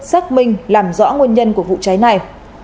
xác minh làm rõ nguyên nhân của vụ trái này